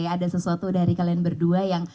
ada sesuatu dari kalian berdua yang